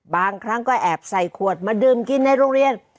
บางครั้งก็แอบใส่ขวดมาดื่มกินในโรงเรียน